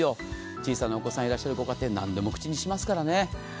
小さなお子さんいらっしゃるご家庭何でも口にしますからね。